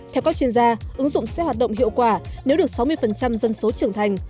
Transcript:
theo các chuyên gia ứng dụng sẽ hoạt động hiệu quả nếu được sáu mươi dân số trưởng thành